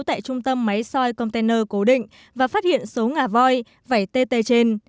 tại trung tâm máy soi container cố định và phát hiện số ngà voi vẩy tê tê trên